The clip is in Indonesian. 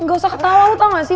eh gak usah ketawa lu tau gak sih